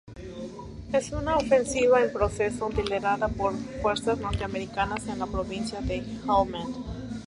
Es una ofensiva en proceso, liderada por fuerzas norteamericanas en la provincia de Helmand.